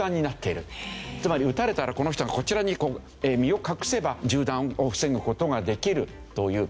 つまり撃たれたらこの人がこちらに身を隠せば銃弾を防ぐ事ができるという。